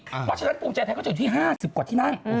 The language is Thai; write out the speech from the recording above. เพราะฉะนั้นภูมิใจไทยก็จะอยู่ที่๕๐กว่าที่นั่ง